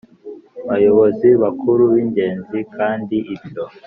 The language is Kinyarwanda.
Bayobozi bakuru b ingenzi kandi ibyo